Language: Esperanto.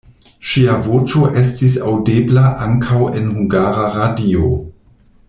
Ŝia voĉo estis aŭdebla ankaŭ en Hungara Radio.